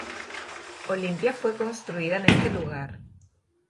Olimpia fue construida en este lugar.